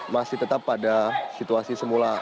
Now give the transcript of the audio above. masih tetap pada situasi semula